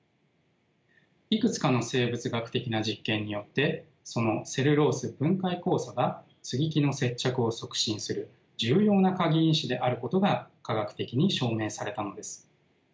いくつかの生物学的な実験によってそのセルロース分解酵素が接ぎ木の接着を促進する重要な鍵因子であることが科学的に証明されたのです。